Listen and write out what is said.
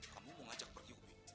kamu mau ngajak pergi upi